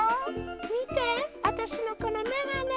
みてあたしのこのめがね。